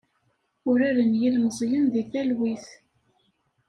Uraren yilmeẓyen deg talwit.